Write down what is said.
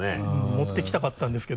持ってきたかったんですけど。